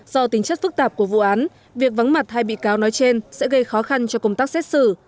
do tính chất phức tạp của vụ án việc vắng mặt hai bị cáo nói trên sẽ gây khó khăn cho công tác xét xử